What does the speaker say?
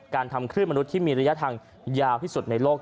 ทำคลื่นมนุษย์ที่มีระยะทางยาวที่สุดในโลก